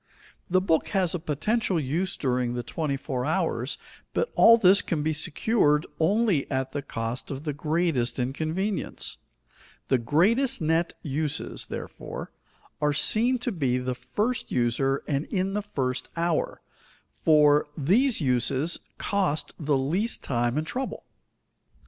The book has a potential use during the twenty four hours, but all this can be secured only at the cost of the greatest inconvenience. The greatest net uses, therefore, are seen to be to the first user and in the first hour, for these uses cost the least time and trouble.